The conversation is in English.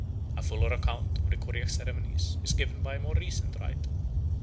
A fuller account of the Koryak ceremonies is given by a more recent writer.